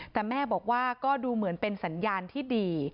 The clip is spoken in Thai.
แต่แม่บอกว่าก็ดูเหมือนเป็นสัญญาณที่ดี